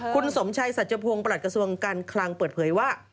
คุณสมชัยสัจพงศ์ประหลัดกระทรวงการคลังเปิดเผยว่า